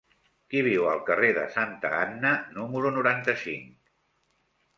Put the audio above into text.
Qui viu al carrer de Santa Anna número noranta-cinc?